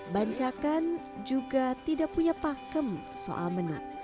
bancakan juga tidak punya pakem soal menang